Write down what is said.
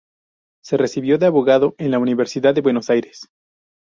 Se recibió de abogado en la Universidad de Buenos Aires.